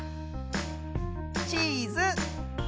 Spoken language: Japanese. チーズ。